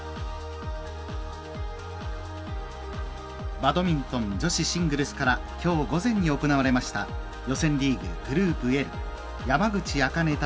バドミントン女子シングルスからきょう午前に行われました予選リーグ、グループＡ山口茜対